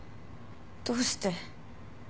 どうして。